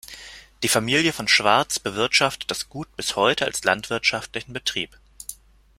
Die Familie von Schwartz bewirtschaftet das Gut bis heute als landwirtschaftlichen Betrieb.